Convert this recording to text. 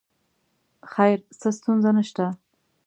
خیر څه ستونزه نه شته.